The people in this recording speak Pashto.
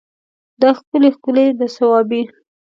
دا ښکلي ښکلي د صوابی